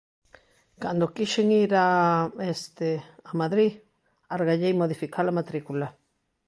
Cando quixen ir a... este... a Madrid, argallei modificar a matrícula.